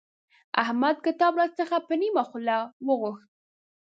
احمد کتاب راڅخه په نيمه خوله وغوښت.